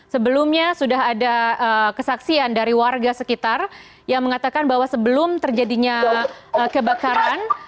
sebelumnya sudah ada kesaksian dari warga sekitar yang mengatakan bahwa sebelum terjadinya kebakaran